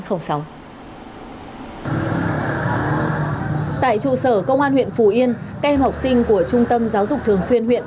tại trụ sở công an huyện phù yên kem học sinh của trung tâm giáo dục thường xuyên huyện